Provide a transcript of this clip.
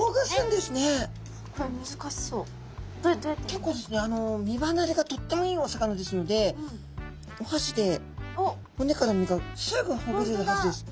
結構ですね身ばなれがとってもいいお魚ですのでおはしで骨から身がすぐほぐれるはずです。